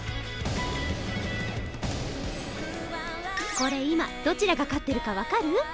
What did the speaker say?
これ今どちらが勝ってるか分かる？